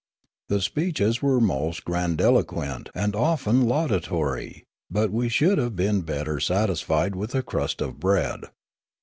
The speeches were most grandiloquent, and often laudatory ; but we should have been better satisfied with a crust of bread.